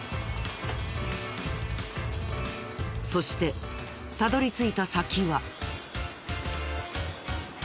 そしてたどり着いた先は。